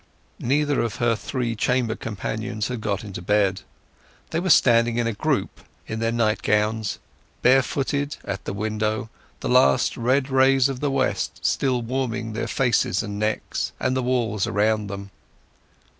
Neither of her three chamber companions had got into bed. They were standing in a group, in their nightgowns, barefooted, at the window, the last red rays of the west still warming their faces and necks and the walls around them.